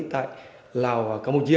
tại lào và campuchia